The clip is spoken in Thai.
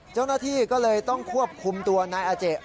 เจ้าหน้าที่ก็เลยต้องควบคุมตัวนายอาเจ